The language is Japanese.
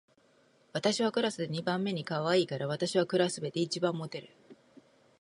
私はクラスで二番目にかわいいから、私はクラスで一番モテる